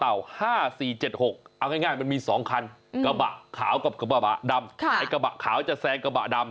เอาง่ายมันมี๒คันกระบะขาวกับกระบะดำไอ้กระบะขาวจะแซงกระบะดำ